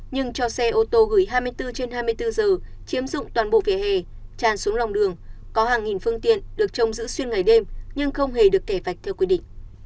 nhưng cho xe ô tô gửi hai mươi bốn trên hai mươi bốn giờ chiếm dụng toàn bộ vỉa hè tràn xuống lòng đường có hàng nghìn phương tiện được trông giữ xuyên ngày đêm nhưng không hề được kẻ vạch theo quy định